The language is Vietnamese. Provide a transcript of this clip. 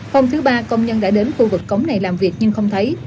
hôm thứ ba công nhân đã đến khu vực cống này làm việc nhưng không thấy